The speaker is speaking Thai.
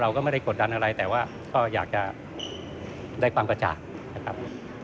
เราก็ไม่ได้กดดันอะไรแต่ว่าก็อยากจะได้ความกระจ่างนะครับ